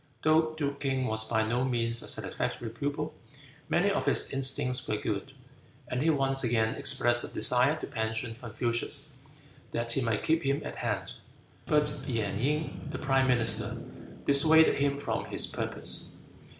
Though Duke King was by no means a satisfactory pupil, many of his instincts were good, and he once again expressed a desire to pension Confucius, that he might keep him at hand; but Gan Ying, the Prime Minister, dissuaded him from his purpose.